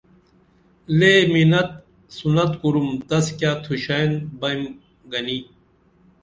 لے منت سُنت کُرُم تس کیہ تُھشئن بئمی گنی